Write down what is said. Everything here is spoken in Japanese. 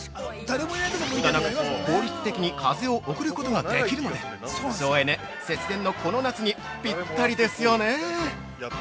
無駄なく効率的に風を送ることができるので、省エネ・節電のこの夏にぴったりですよね◆